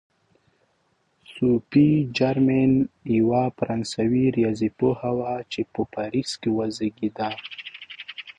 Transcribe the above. صوفي جرمین یوه فرانسوي ریاضي پوهه وه چې په پاریس کې وزېږېده.